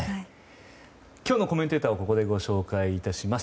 今日のコメンテーターをここでご紹介いたします。